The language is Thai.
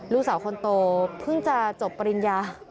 ลูกสาวคนโตเพิ่งจะจบปริญญา